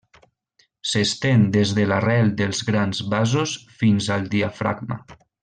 S'estén des de l'arrel dels grans vasos fins al diafragma.